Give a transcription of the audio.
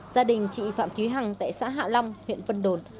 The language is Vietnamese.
gia đình chị phạm thúy hằng tại xã hạ long huyện vân đồn